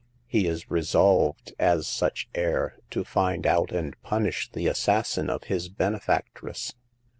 ^He is resolved, as such heir, to find out and punish the assassin of his benefactress.